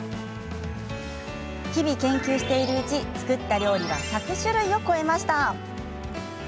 日々、研究しているうち作った料理は１００種類を超えました。